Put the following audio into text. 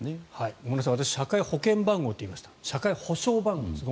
ごめんなさい私、社会保険番号と言いましたが社会保障番号です。